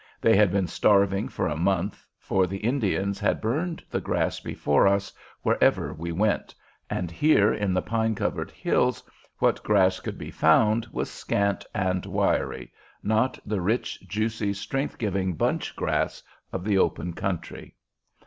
They had been starving for a month, for the Indians had burned the grass before us wherever we went, and here in the pine covered hills what grass could be found was scant and wiry, not the rich, juicy, strength giving bunch grass of the open country.